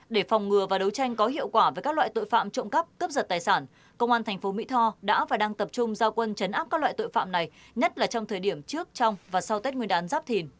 để phòng ngừa và đấu tranh có hiệu quả với các loại tội phạm trộm cắp cướp giật tài sản công an thành phố mỹ tho đã và đang tập trung giao quân chấn áp các loại tội phạm này nhất là trong thời điểm trước trong và sau tết nguyên đán giáp thìn